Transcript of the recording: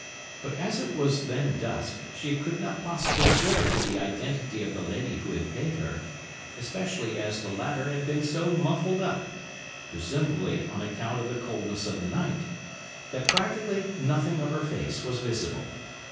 But as it was then dusk, she could not possibly swear to the identity of the lady who had paid her, especially as the latter had been so muffled up, presumably on account of the coldness of the night, that practically nothing of her face was visible.